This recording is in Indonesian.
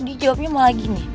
dia jawabnya malah gini